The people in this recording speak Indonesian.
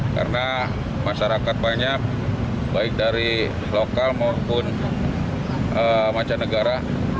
karena masyarakat banyak baik dari lokal maupun macam negara